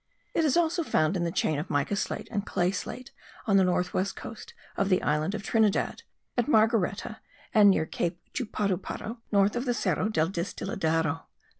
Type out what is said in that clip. It is also found in the chain of mica slate and clay slate, on the north west coast of the island of Trinidad, at Margareta and near Cape Chuparuparu, north of the Cerro del Distiladero.